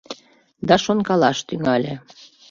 Да шонкалаш тӱҥале.